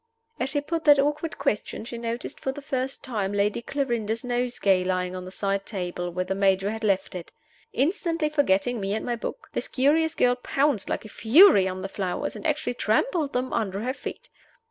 As she put that awkward question she noticed for the first time Lady Clarinda's nosegay lying on the side table where the Major had left it. Instantly forgetting me and my book, this curious girl pounced like a fury on the flowers, and actually trampled them under her feet!